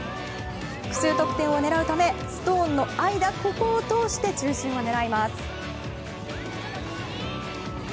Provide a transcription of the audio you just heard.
複数得点を狙うためストーンの間を通して中心を狙います。